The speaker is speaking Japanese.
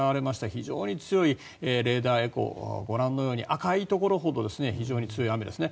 非常に強いレーダーエコーご覧のように赤いところほど非常に強い雨ですね。